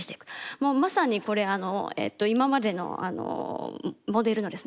もうまさにこれ今までのモデルのですね